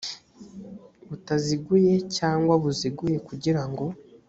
butaziguye cyangwa buziguye kugira ngo